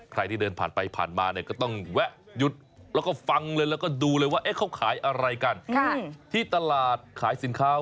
ใครที่เดินป่านไปพันมาเนี่ย